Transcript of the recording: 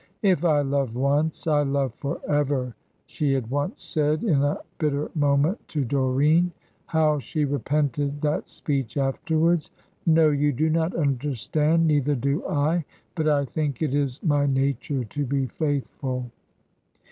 "If I love once, I love for ever," she had once said in a bitter moment to Doreen. How she repented that speech afterwards! "No; you do not understand, neither do I; but I think it is my nature to be faithful."